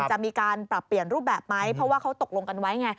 จะมีการปรับเปลี่ยนรูปแบบไหมเพราะว่าเขาตกลงกันไว้ไง